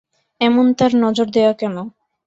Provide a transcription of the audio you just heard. এমন তার নজর দেওয়া কেন?